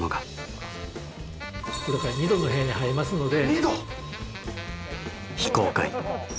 これから２℃の部屋に入りますので。